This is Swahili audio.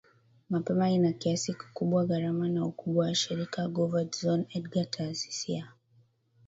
mapema ina kiasi kikubwa gharama na ukubwa wa shirika Guver Dzhon Edgar Taasisi ya